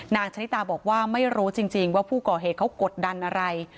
นางชะนิตาบอกว่าไม่รู้จริงว่าผู้ก่อเหตุเขากดดันอะไร